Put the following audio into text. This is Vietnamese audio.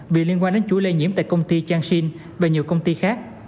vì liên quan đến chuỗi lây nhiễm tại công ty changshin và nhiều công ty khác